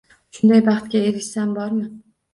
Shunday baxtga erishsam bormi